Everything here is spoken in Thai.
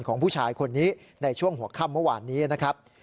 ของผู้ชายคนนี้ในช่วงหัวค่ำเมื่อวานนี้นะครับ